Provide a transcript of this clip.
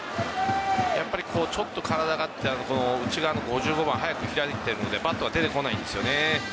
ちょっと体が内側の５５番早く開いているのでボールが出てこないんです。